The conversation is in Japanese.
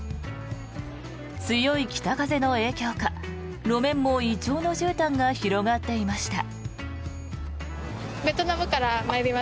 強い北風の影響か路面もイチョウのじゅうたんが広がっていました。